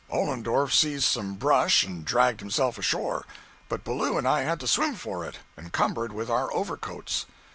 227.jpg (95K) Ollendorff seized some brush and dragged himself ashore, but Ballou and I had to swim for it, encumbered with our overcoats.